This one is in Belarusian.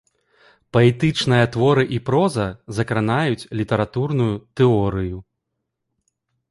Паэтычныя творы і проза закранаюць літаратурную тэорыю.